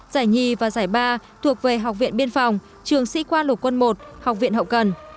giải nhì và giải ba thuộc về học viện biên phòng trường sĩ quan lục quân một học viện hậu cần